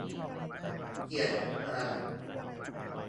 เกียซ และอะไร